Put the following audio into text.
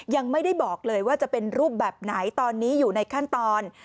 ยังไม่ได้บอกเลยว่าจะเป็นรูปแบบไหนตอนนี้อยู่ในขั้นตอน